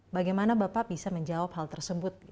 bagaimana bapak bisa menjawab hal tersebut